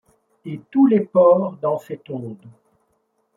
Et tous les ports dans cette onde